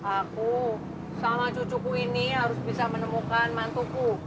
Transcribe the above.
aku sama cucuku ini harus bisa menemukan mantuku